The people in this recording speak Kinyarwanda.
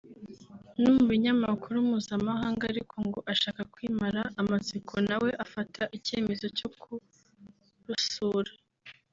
no mu binyamakuru Mpuzamahanga ariko ngo ashaka kwimara amatsiko nawe afata icyemezo cyo kurusura